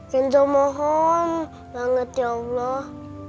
pintu mohon banget ya allah